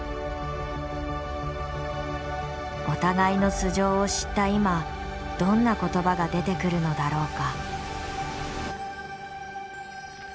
お互いの素性を知った今どんな言葉が出てくるのだろうか？